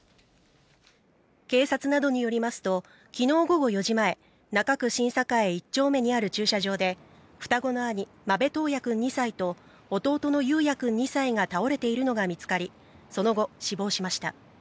警察などによりますと、きのう午後４時前、中区新栄１丁目にある駐車場で、双子の兄、間部登也くん２歳と、弟の雄也くん２歳が倒れているのが見つかり、その後、死亡しました。